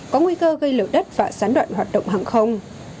có nguy cơ gây lở đất và gián đoạn hoạt động hàng không